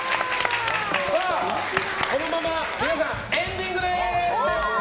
このまま皆さんエンディングです。